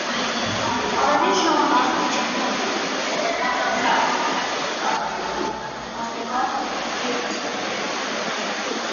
Պարերի ժամանակ աղջիկները հաճույքով հետևում էին համակրելի արևառ երիտասարդին։